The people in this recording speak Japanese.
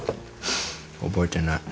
覚えてない。